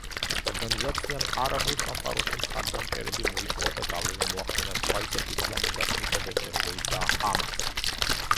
ორგანიზაციამ არაბულ სამყაროში მხარდამჭერები მოიპოვა და გავლენა მოახდინა სხვა ისეთ ისლამურ დაჯგუფებებზე როგორიცაა ჰამასი.